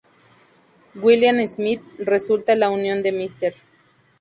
William Smith resulta la unión de Mr.